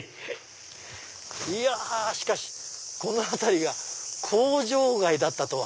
いやしかしこの辺りが工場街だったとは。